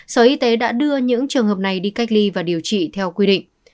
sở y tế đã đưa những trường hợp này đi cách ly và điều trị theo quy định